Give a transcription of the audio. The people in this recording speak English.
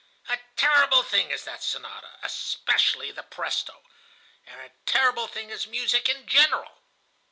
"A terrible thing is that sonata, especially the presto! And a terrible thing is music in general.